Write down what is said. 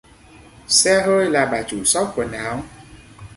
Xe hơi là bà chủ shop quần áo